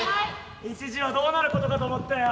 一時はどうなることかと思ったよ。